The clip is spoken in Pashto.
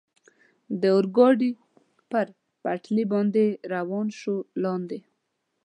د اورګاډي پر پټلۍ باندې روان شو، لاندې.